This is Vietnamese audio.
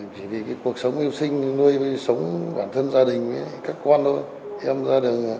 chỉ vì cuộc sống yêu sinh nuôi sống bản thân gia đình với các con thôi